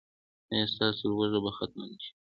ایا ستاسو لوږه به ختمه نه شي؟